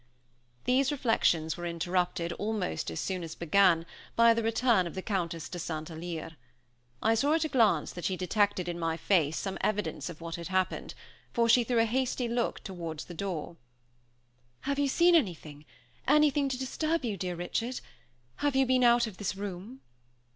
These reflections were interrupted, almost as soon as began, by the return of the Countess de St. Alyre. I saw at a glance that she detected in my face some evidence of what had happened, for she threw a hasty look towards the door. "Have you seen anything anything to disturb you, dear Richard? Have you been out of this room?"